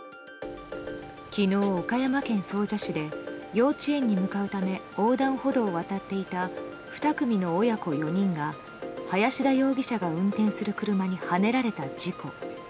昨日、岡山県総社市で幼稚園に向かうため横断歩道を渡っていた２組の親子４人が林田容疑者が運転する車にはねられた事故。